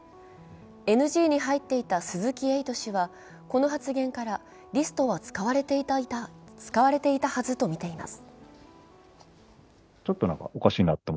ＮＧに入っていた鈴木エイト氏はこの発言からリストは使われていたはずとみています。